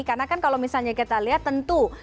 karena kan kalau misalnya kita lihat tentu